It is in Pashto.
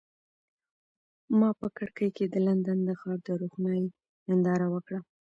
ما په کړکۍ کې د لندن د ښار د روښنایۍ ننداره وکړه.